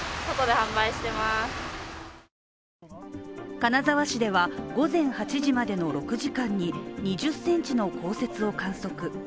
金沢市では午前８時までの６時間に２０ｃｍの降雪を観測。